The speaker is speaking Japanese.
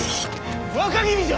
若君じゃ！